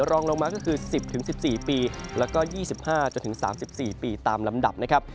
รองลงมาก็คือ๑๐๑๔ปีแล้วก็๒๕๓๔ปีตามลำดับนะครับ